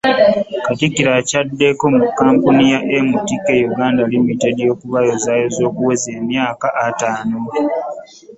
Katikkiro akyaddeko mu kkampuni ya MTK Uganda Limited okubayozaayoza okuweza emyaka ataano